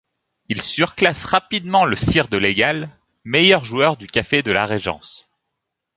Il surclasse rapidement le Sire de Legal, meilleur joueur du Café de la Régence.